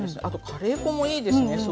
あとカレー粉もいいですね